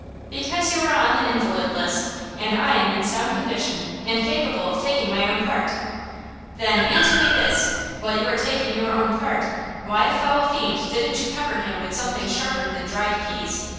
"Because you are on the invalid list and I am in sound condition and capable of taking my own part!" said Cap. "Then, answer me this, while you were taking your own part, why the foul fiend didn't you pepper him with something sharper than dried peas?"